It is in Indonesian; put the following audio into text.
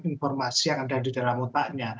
informasi yang ada di dalam otaknya